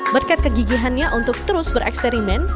berkat kegigihannya untuk terus bereksperimen